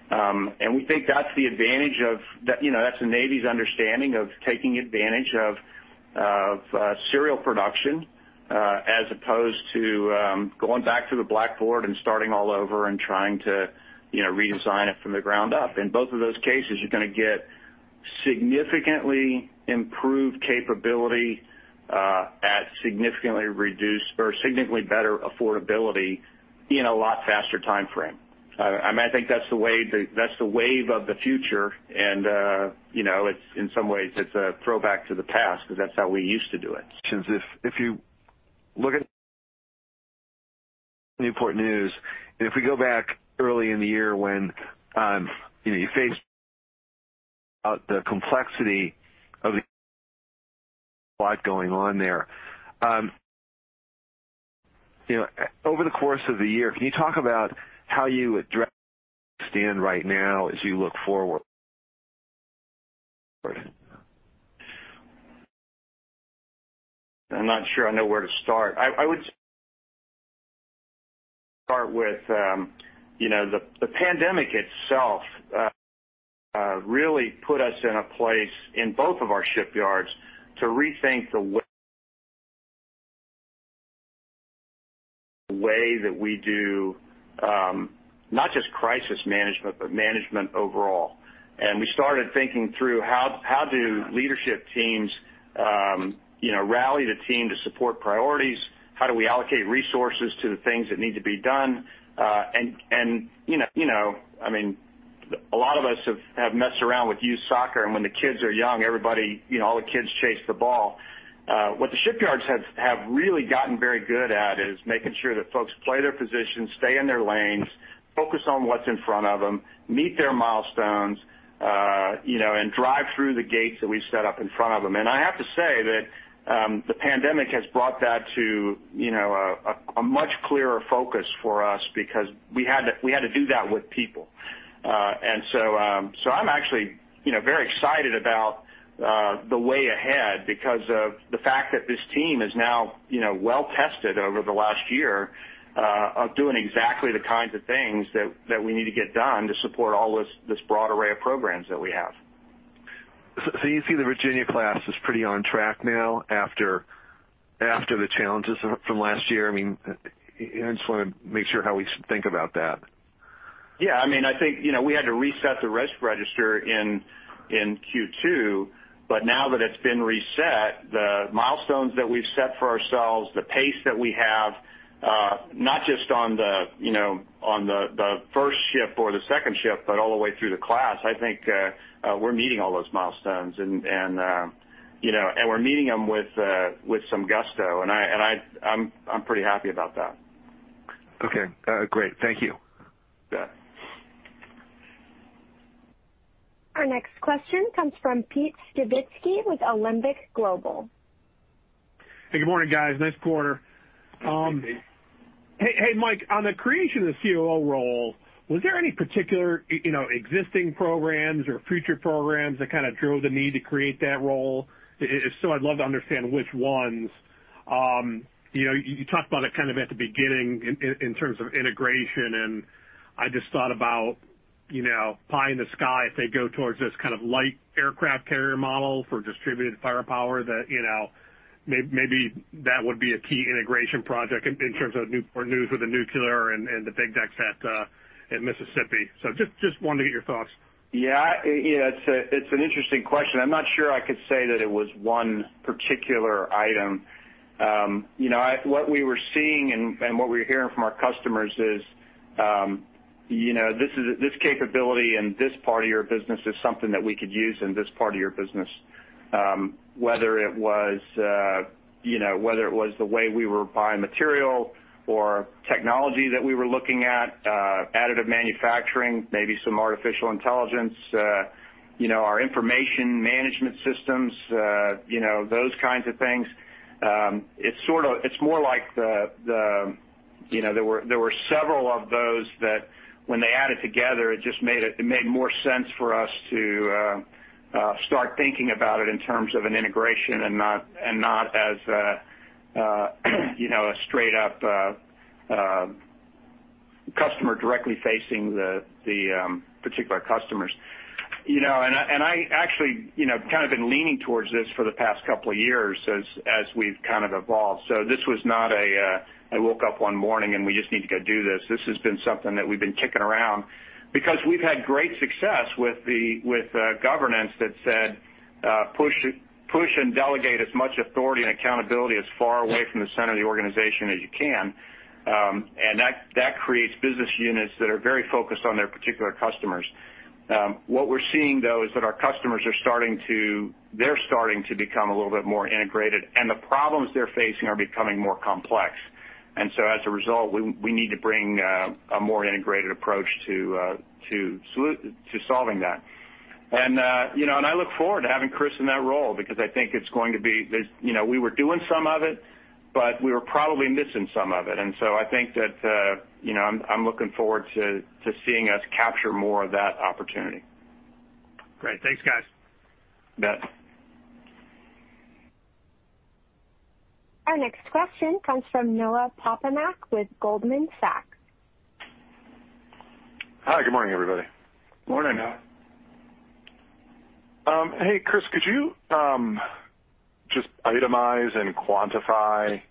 Speaker 4: And we think that's the advantage of that's the Navy's understanding of taking advantage of serial production as opposed to going back to the blackboard and starting all over and trying to redesign it from the ground up. In both of those cases, you're going to get significantly improved capability at significantly better affordability in a lot faster timeframe. I mean, I think that's the wave of the future, and in some ways, it's a throwback to the past because that's how we used to do it.
Speaker 10: If you look at Newport News, and if we go back early in the year when you faced the complexity of the fight going on there, over the course of the year, can you talk about how you stand right now as you look forward?
Speaker 4: I'm not sure I know where to start. I would start with the pandemic itself really put us in a place in both of our shipyards to rethink the way that we do not just crisis management, but management overall, and we started thinking through how do leadership teams rally the team to support priorities, how do we allocate resources to the things that need to be done, and I mean, a lot of us have messed around with youth soccer, and when the kids are young, all the kids chase the ball. What the shipyards have really gotten very good at is making sure that folks play their positions, stay in their lanes, focus on what's in front of them, meet their milestones, and drive through the gates that we've set up in front of them. I have to say that the pandemic has brought that to a much clearer focus for us because we had to do that with people. I'm actually very excited about the way ahead because of the fact that this team is now well tested over the last year of doing exactly the kinds of things that we need to get done to support all this broad array of programs that we have.
Speaker 10: So, you see the Virginia-class is pretty on track now after the challenges from last year? I mean, I just want to make sure how we think about that.
Speaker 4: Yeah, I mean, I think we had to reset the risk register in Q2, but now that it's been reset, the milestones that we've set for ourselves, the pace that we have, not just on the first ship or the second ship, but all the way through the class, I think we're meeting all those milestones, and we're meeting them with some gusto, and I'm pretty happy about that.
Speaker 10: Okay, great. Thank you.
Speaker 3: You bet.
Speaker 1: Our next question comes from Pete Skibitski with Alembic Global.
Speaker 11: Hey, good morning, guys. Nice quarter.
Speaker 3: Nice to see you.
Speaker 11: Hey, Mike, on the creation of the COO role, was there any particular existing programs or future programs that kind of drove the need to create that role? If so, I'd love to understand which ones. You talked about it kind of at the beginning in terms of integration, and I just thought about pie in the sky if they go towards this kind of light aircraft carrier model for distributed firepower. Maybe that would be a key integration project in terms of Newport News with the nuclear and the big decks at Mississippi. So just wanted to get your thoughts.
Speaker 3: Yeah, it's an interesting question. I'm not sure I could say that it was one particular item. What we were seeing and what we were hearing from our customers is this capability in this part of your business is something that we could use in this part of your business, whether it was the way we were buying material or technology that we were looking at, additive manufacturing, maybe some artificial intelligence, our information management systems, those kinds of things. It's more like there were several of those that when they added together, it made more sense for us to start thinking about it in terms of an integration and not as a straight-up customer directly facing the particular customers. I actually kind of been leaning towards this for the past couple of years as we've kind of evolved. So this was not a "I woke up one morning and we just need to go do this." This has been something that we've been kicking around because we've had great success with governance that said, "Push and delegate as much authority and accountability as far away from the center of the organization as you can." And that creates business units that are very focused on their particular customers. What we're seeing, though, is that our customers are starting to become a little bit more integrated, and the problems they're facing are becoming more complex. And so as a result, we need to bring a more integrated approach to solving that. And I look forward to having Chris in that role because I think it's going to be we were doing some of it, but we were probably missing some of it. And so I think that I'm looking forward to seeing us capture more of that opportunity.
Speaker 11: Great. Thanks, guys.
Speaker 4: You bet.
Speaker 1: Our next question comes from Noah Poponak with Goldman Sachs.
Speaker 12: Hi, good morning, everybody.
Speaker 4: Morning.
Speaker 12: Hey, Chris, could you just itemize and quantify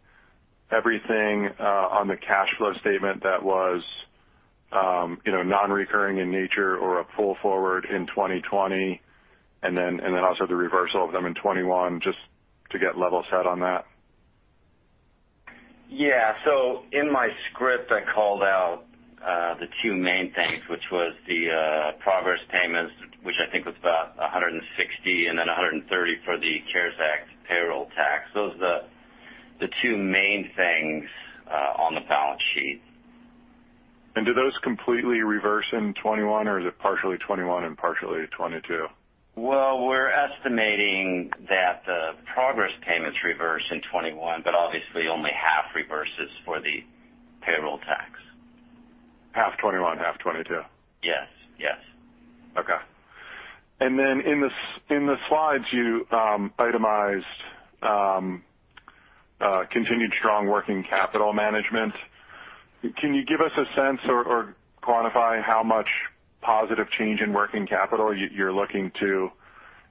Speaker 12: everything on the cash flow statement that was non-recurring in nature or a pull forward in 2020, and then also the reversal of them in 2021 just to get level set on that?
Speaker 4: Yeah, so in my script, I called out the two main things, which was the progress payments, which I think was about $160 and then $130 for the CARES Act payroll tax. Those are the two main things on the balance sheet.
Speaker 12: Did those completely reverse in 2021, or is it partially 2021 and partially 2022?
Speaker 4: We're estimating that the progress payments reverse in 2021, but obviously only half reverses for the payroll tax.
Speaker 12: Half 2021, half 2022.
Speaker 4: Yes, yes.
Speaker 12: Okay. And then in the slides, you itemized continued strong working capital management. Can you give us a sense or quantify how much positive change in working capital you're looking to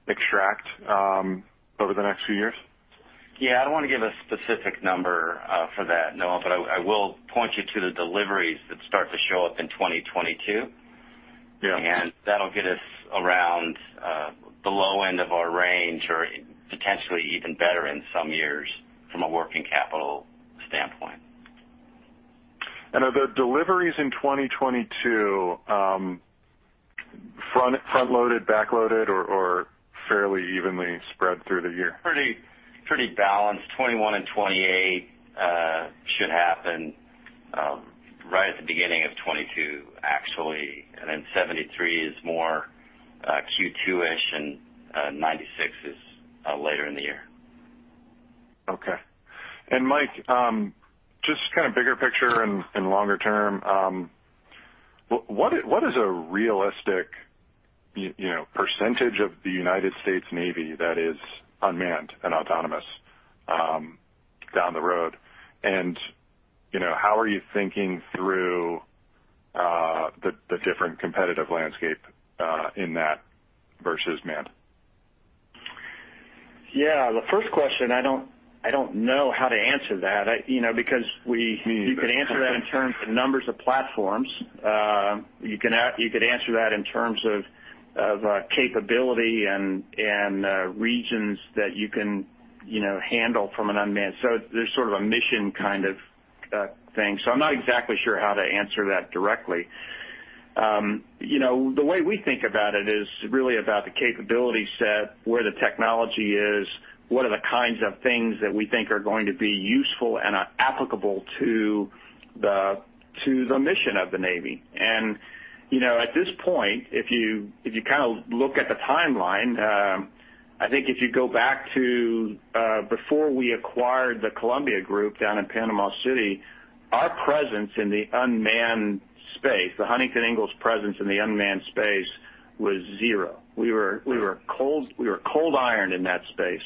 Speaker 12: extract over the next few years?
Speaker 4: Yeah, I don't want to give a specific number for that, Noah, but I will point you to the deliveries that start to show up in 2022, and that'll get us around the low end of our range or potentially even better in some years from a working capital standpoint.
Speaker 12: Are the deliveries in 2022 front-loaded, back-loaded, or fairly evenly spread through the year?
Speaker 4: Pretty balanced. '21 and '28 should happen right at the beginning of 2022, actually, and then '73 is more Q2-ish, and '96 is later in the year.
Speaker 12: Okay, and Mike, just kind of bigger picture and longer term, what is a realistic percentage of the United States Navy that is unmanned and autonomous down the road? And how are you thinking through the different competitive landscape in that versus manned?
Speaker 3: Yeah, the first question, I don't know how to answer that because you could answer that in terms of numbers of platforms. You could answer that in terms of capability and regions that you can handle from an unmanned. So there's sort of a mission kind of thing. So I'm not exactly sure how to answer that directly. The way we think about it is really about the capability set, where the technology is, what are the kinds of things that we think are going to be useful and applicable to the mission of the Navy. And at this point, if you kind of look at the timeline, I think if you go back to before we acquired the Columbia Group down in Panama City, our presence in the unmanned space, the Huntington Ingalls presence in the unmanned space was zero. We were cold-ironed in that space.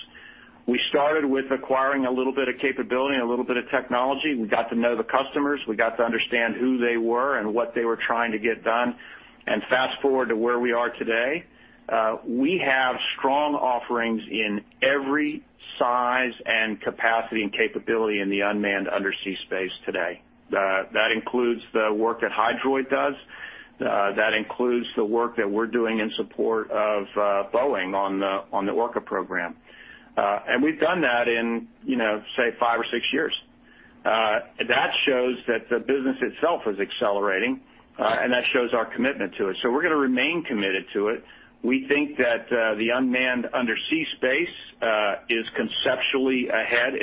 Speaker 3: We started with acquiring a little bit of capability and a little bit of technology. We got to know the customers. We got to understand who they were and what they were trying to get done. And fast forward to where we are today, we have strong offerings in every size and capacity and capability in the unmanned undersea space today. That includes the work that Hydroid does. That includes the work that we're doing in support of Boeing on the Orca program. And we've done that in, say, five or six years. That shows that the business itself is accelerating, and that shows our commitment to it. So we're going to remain committed to it. We think that the unmanned undersea space is conceptually ahead.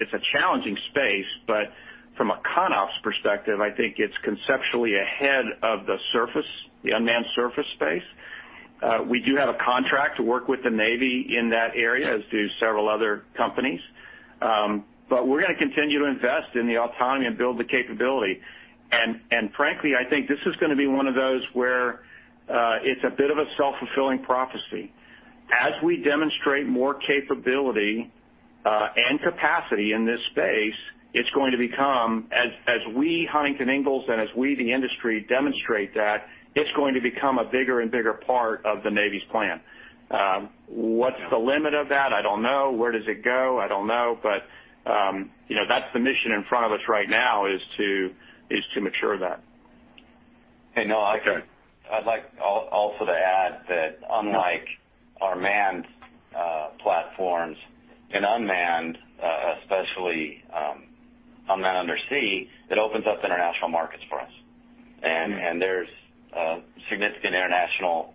Speaker 3: It's a challenging space, but from a CONOPS perspective, I think it's conceptually ahead of the surface, the unmanned surface space. We do have a contract to work with the Navy in that area as do several other companies. But we're going to continue to invest in the autonomy and build the capability. And frankly, I think this is going to be one of those where it's a bit of a self-fulfilling prophecy. As we demonstrate more capability and capacity in this space, it's going to become, as we, Huntington Ingalls, and as we, the industry, demonstrate that, it's going to become a bigger and bigger part of the Navy's plan. What's the limit of that? I don't know. Where does it go? I don't know. But that's the mission in front of us right now is to mature that. Hey, Noah, I'd like also to add that unlike our manned platforms and unmanned, especially unmanned undersea, it opens up international markets for us.
Speaker 4: There's significant international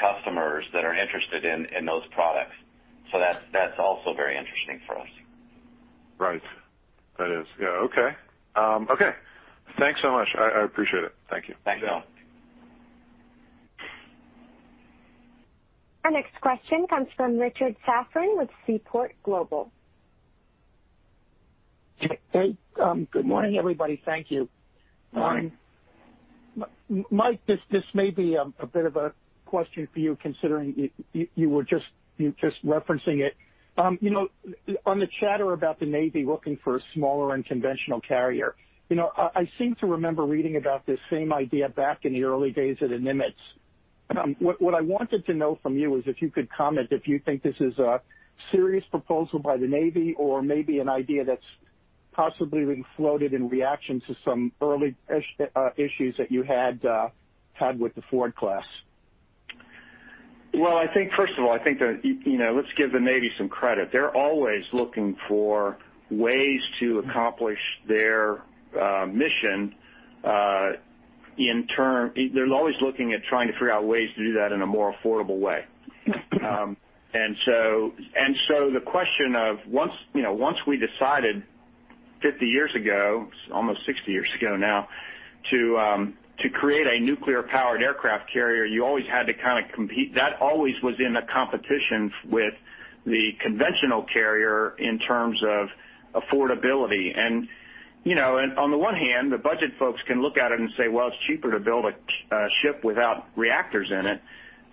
Speaker 4: customers that are interested in those products. That's also very interesting for us.
Speaker 12: Right. That is. Yeah. Okay. Okay. Thanks so much. I appreciate it. Thank you.
Speaker 4: Thanks, Noah.
Speaker 1: Our next question comes from Richard Safran with Seaport Global.
Speaker 13: Hey, good morning, everybody. Thank you. Mike, this may be a bit of a question for you considering you were just referencing it. On the chatter about the Navy looking for a smaller and conventional carrier, I seem to remember reading about this same idea back in the early days at Nimitz. What I wanted to know from you is if you could comment if you think this is a serious proposal by the Navy or maybe an idea that's possibly been floated in reaction to some early issues that you had with the Ford class.
Speaker 3: First of all, I think let's give the Navy some credit. They're always looking for ways to accomplish their mission. They're always looking at trying to figure out ways to do that in a more affordable way. And so the question of once we decided 50 years ago, almost 60 years ago now, to create a nuclear-powered aircraft carrier, you always had to kind of compete. That always was in a competition with the conventional carrier in terms of affordability. And on the one hand, the budget folks can look at it and say, "Well, it's cheaper to build a ship without reactors in it."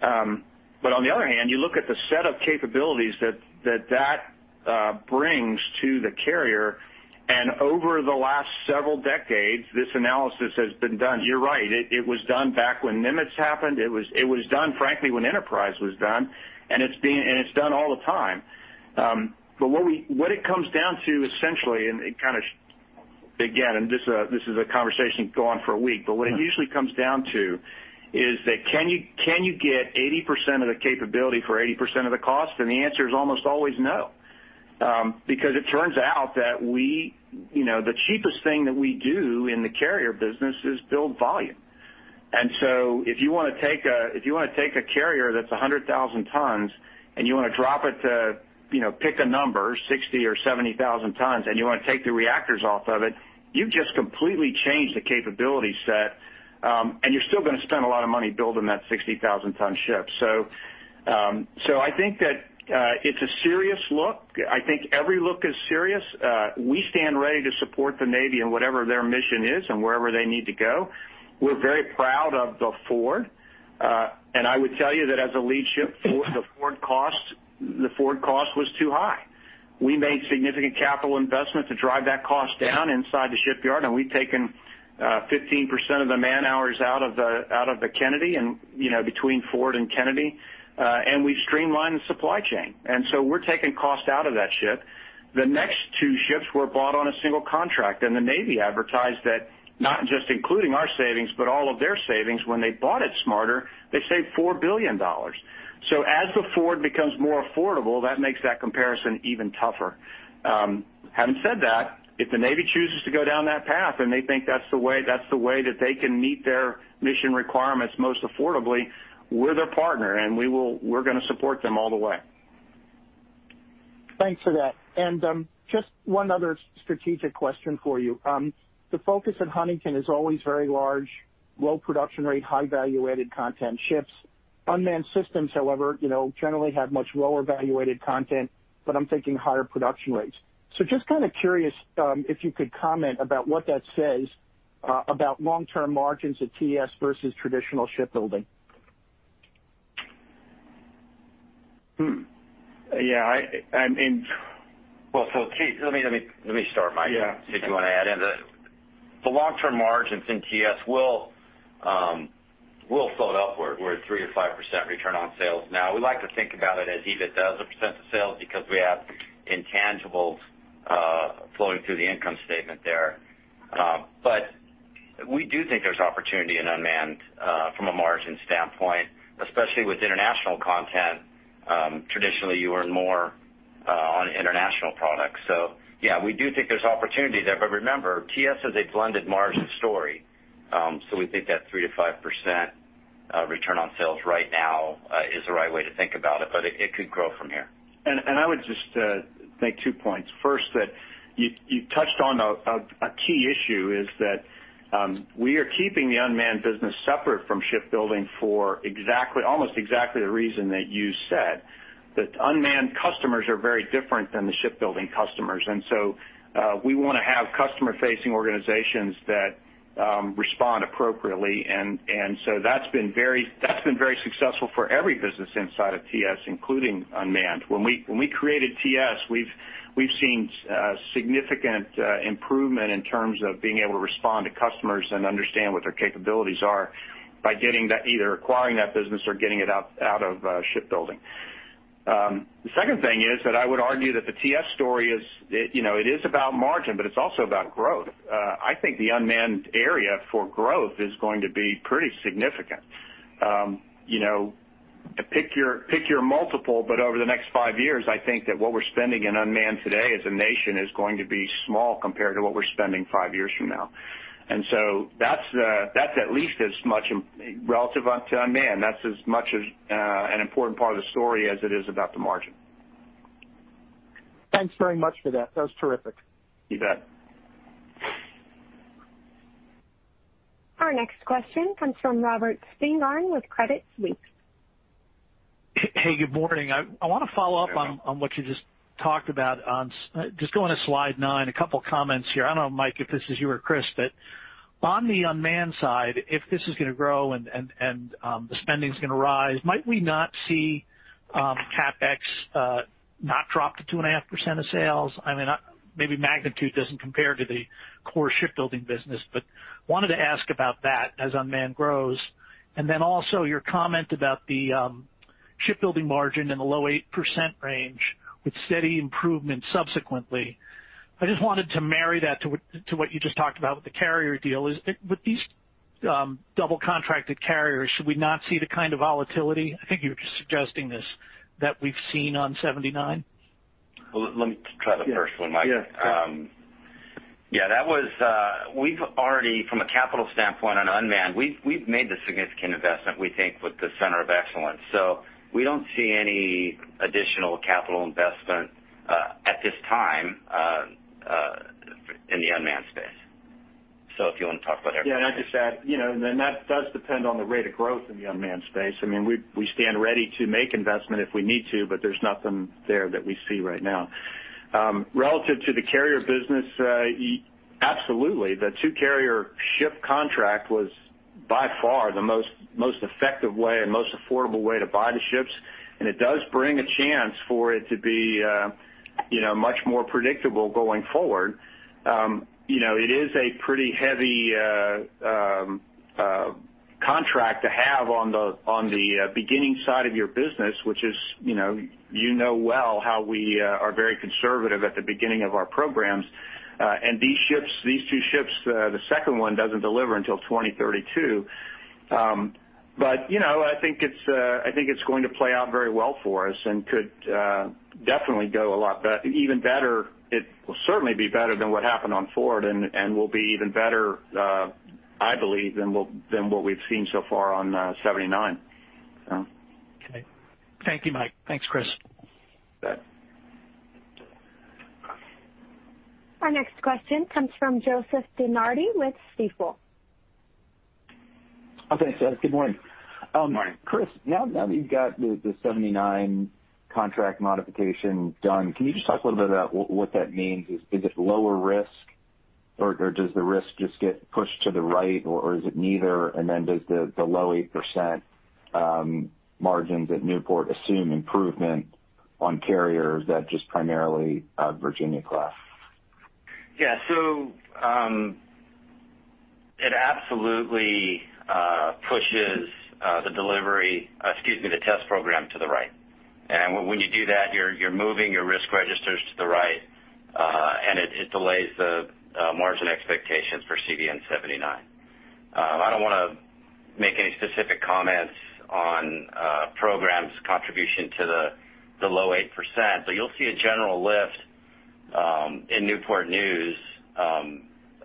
Speaker 3: But on the other hand, you look at the set of capabilities that that brings to the carrier. And over the last several decades, this analysis has been done. You're right. It was done back when Nimitz happened. It was done, frankly, when Enterprise was done. And it's done all the time. But what it comes down to, essentially, and kind of, again, this is a conversation going on for a week, but what it usually comes down to is that can you get 80% of the capability for 80% of the cost? And the answer is almost always no. Because it turns out that the cheapest thing that we do in the carrier business is build volume. And so if you want to take a carrier that's 100,000 tons and you want to drop it to pick a number, 60,000 or 70,000 tons, and you want to take the reactors off of it, you've just completely changed the capability set. And you're still going to spend a lot of money building that 60,000-ton ship. So I think that it's a serious look. I think every look is serious. We stand ready to support the Navy in whatever their mission is and wherever they need to go. We're very proud of the Ford. And I would tell you that as a lead ship, the Ford cost was too high. We made significant capital investment to drive that cost down inside the shipyard. And we've taken 15% of the man hours out of the Kennedy, and between Ford and Kennedy. And we've streamlined the supply chain. And so we're taking cost out of that ship. The next two ships were bought on a single contract. And the Navy advertised that not just including our savings, but all of their savings when they bought it smarter, they saved $4 billion. So as the Ford becomes more affordable, that makes that comparison even tougher. Having said that, if the Navy chooses to go down that path and they think that's the way that they can meet their mission requirements most affordably, we're their partner. And we're going to support them all the way.
Speaker 13: Thanks for that. And just one other strategic question for you. The focus at Huntington is always very large, low production rate, high-valuated content ships. Unmanned systems, however, generally have much lower valuated content, but I'm thinking higher production rates. So just kind of curious if you could comment about what that says about long-term margins at TS versus traditional shipbuilding.
Speaker 4: Yeah. I mean, well, so let me start, Mike. Did you want to add in that the long-term margins in TS will float up? We're at 3% or 5% return on sales now. We like to think about it as even as a percent of sales because we have intangibles flowing through the income statement there. But we do think there's opportunity in unmanned from a margin standpoint, especially with international content. Traditionally, you earn more on international products. So yeah, we do think there's opportunity there. But remember, TS is a blended margin story. So we think that 3%-5% return on sales right now is the right way to think about it. But it could grow from here.
Speaker 3: I would just make two points. First, that you touched on a key issue is that we are keeping the unmanned business separate from shipbuilding for almost exactly the reason that you said. The unmanned customers are very different than the shipbuilding customers. And so we want to have customer-facing organizations that respond appropriately. And so that's been very successful for every business inside of TS, including unmanned. When we created TS, we've seen significant improvement in terms of being able to respond to customers and understand what their capabilities are by either acquiring that business or getting it out of shipbuilding. The second thing is that I would argue that the TS story is it is about margin, but it's also about growth. I think the unmanned area for growth is going to be pretty significant. Pick your multiple, but over the next five years, I think that what we're spending in unmanned today as a nation is going to be small compared to what we're spending five years from now. And so that's at least as much relative to unmanned. That's as much an important part of the story as it is about the margin.
Speaker 13: Thanks very much for that. That was terrific.
Speaker 4: You bet.
Speaker 1: Our next question comes from Robert Spingarn with Credit Suisse.
Speaker 14: Hey, good morning. I want to follow up on what you just talked about. Just going to slide nine, a couple of comments here. I don't know, Mike, if this is you or Chris, but on the unmanned side, if this is going to grow and the spending is going to rise, might we not see CapEx not drop to 2.5% of sales? I mean, maybe magnitude doesn't compare to the core shipbuilding business, but wanted to ask about that as unmanned grows. And then also your comment about the shipbuilding margin in the low 8% range with steady improvement subsequently. I just wanted to marry that to what you just talked about with the carrier deal. With these double-contracted carriers, should we not see the kind of volatility? I think you were just suggesting this, that we've seen on 79.
Speaker 4: Let me try the first one, Mike. Yeah, that's, we've already, from a capital standpoint on unmanned, we've made the significant investment, we think, with the center of excellence. We don't see any additional capital investment at this time in the unmanned space. If you want to talk about everything.
Speaker 3: Yeah, I just add, and that does depend on the rate of growth in the unmanned space. I mean, we stand ready to make investment if we need to, but there's nothing there that we see right now. Relative to the carrier business, absolutely. The two-carrier ship contract was by far the most effective way and most affordable way to buy the ships. And it does bring a chance for it to be much more predictable going forward. It is a pretty heavy contract to have on the beginning side of your business, which is you know well how we are very conservative at the beginning of our programs. And these two ships, the second one doesn't deliver until 2032. But I think it's going to play out very well for us and could definitely go a lot better. Even better, it will certainly be better than what happened on Ford and will be even better, I believe, than what we've seen so far on 79.
Speaker 14: Okay. Thank you, Mike. Thanks, Chris.
Speaker 4: Bye.
Speaker 1: Our next question comes from Joseph DeNardi with Stifel.
Speaker 15: Hi, thanks, guys. Good morning.
Speaker 4: Good morning.
Speaker 15: Chris, now that you've got the 79 contract modification done, can you just talk a little bit about what that means? Is it lower risk, or does the risk just get pushed to the right, or is it neither? And then does the low 8% margins at Newport assume improvement on carriers that just primarily have Virginia-class?
Speaker 4: Yeah. So it absolutely pushes the delivery, excuse me, the test program, to the right. And when you do that, you're moving your risk registers to the right, and it delays the margin expectations for CVN-79. I don't want to make any specific comments on programs' contribution to the low 8%, but you'll see a general lift in Newport News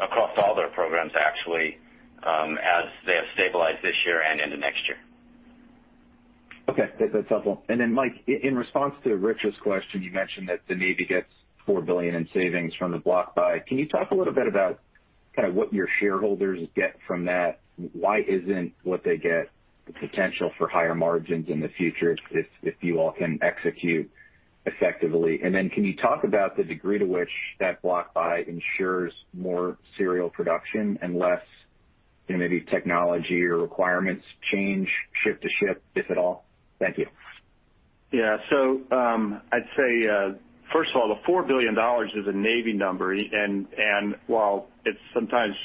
Speaker 4: across all their programs, actually, as they have stabilized this year and into next year.
Speaker 15: Okay. That's helpful. And then, Mike, in response to Richard's question, you mentioned that the Navy gets $4 billion in savings from the block buy. Can you talk a little bit about kind of what your shareholders get from that? Why isn't what they get the potential for higher margins in the future if you all can execute effectively? And then can you talk about the degree to which that block buy ensures more serial production and less maybe technology or requirements change ship to ship, if at all? Thank you.
Speaker 3: Yeah. So I'd say, first of all, the $4 billion is a Navy number. And while it's sometimes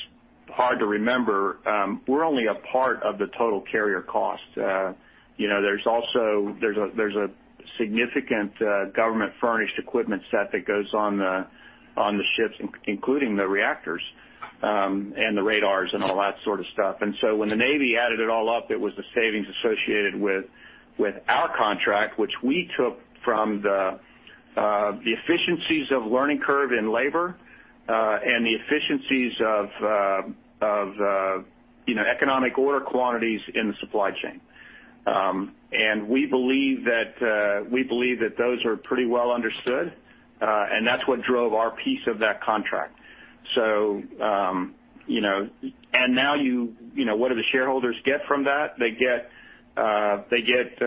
Speaker 3: hard to remember, we're only a part of the total carrier cost. There's a significant government-furnished equipment set that goes on the ships, including the reactors and the radars and all that sort of stuff. And so when the Navy added it all up, it was the savings associated with our contract, which we took from the efficiencies of learning curve in labor and the efficiencies of economic order quantities in the supply chain. And we believe that those are pretty well understood. And that's what drove our piece of that contract. And now what do the shareholders get from that? They get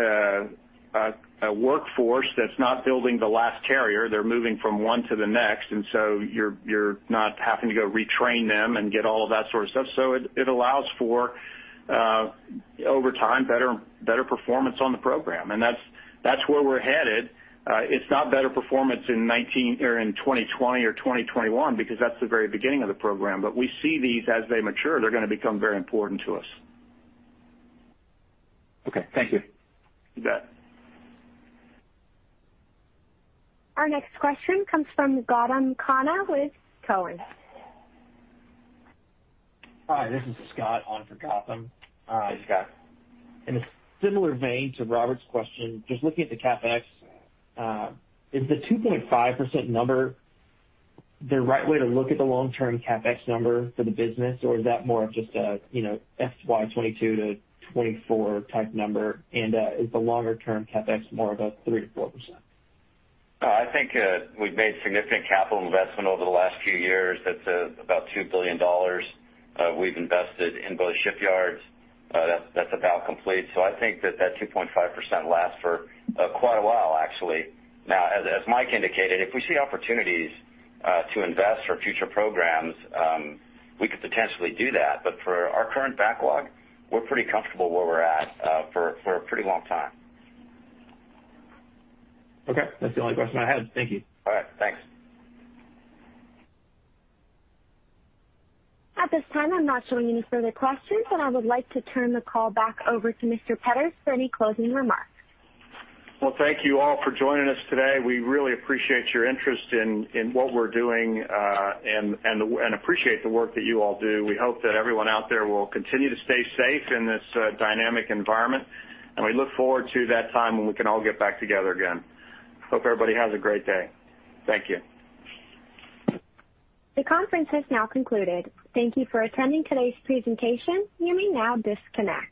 Speaker 3: a workforce that's not building the last carrier. They're moving from one to the next. And so you're not having to go retrain them and get all of that sort of stuff. So it allows for, over time, better performance on the program. And that's where we're headed. It's not better performance in 2020 or 2021 because that's the very beginning of the program. But we see these as they mature. They're going to become very important to us.
Speaker 15: Okay. Thank you.
Speaker 4: You bet.
Speaker 1: Our next question comes from Gautam Khanna with Cowen. Hi. This is Scott on for Gautam.
Speaker 4: Hi, Scott. In a similar vein to Robert's question, just looking at the CapEx, is the 2.5% number the right way to look at the long-term CapEx number for the business, or is that more of just a FY 2022 to 2024 type number? And is the longer-term CapEx more of a 3%-4%? I think we've made significant capital investment over the last few years. That's about $2 billion we've invested in both shipyards. That's about complete. So I think that that 2.5% lasts for quite a while, actually. Now, as Mike indicated, if we see opportunities to invest for future programs, we could potentially do that. But for our current backlog, we're pretty comfortable where we're at for a pretty long time. Okay. That's the only question I had. Thank you. All right. Thanks.
Speaker 1: At this time, I'm not showing any further questions, and I would like to turn the call back over to Mr. Petters for any closing remarks. Thank you all for joining us today. We really appreciate your interest in what we're doing and appreciate the work that you all do. We hope that everyone out there will continue to stay safe in this dynamic environment. We look forward to that time when we can all get back together again. Hope everybody has a great day. Thank you. The conference has now concluded. Thank you for attending today's presentation. You may now disconnect.